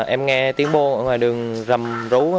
em nghe tiếng bô ở ngoài đường rầm rú